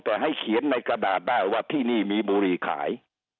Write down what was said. แต่ให้เขียนในกระดาษได้ว่าที่นี่มีบุรีขาย